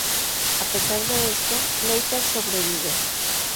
A pesar de eso, Leiter sobrevive.